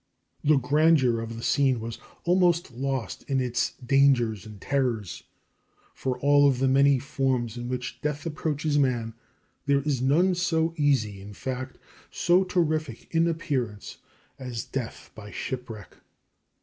The grandeur of the scene was almost lost in its dangers and terrors, for of all the many forms in which death approaches man there is none so easy, in fact, so terrific in appearance, as death by shipwreck.